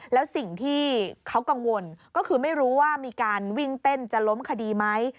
แล้วสิ่งที่เขากังวลก็คือไม่รู้ว่ามีการวิ่งเต้นจะล้มคดีไหม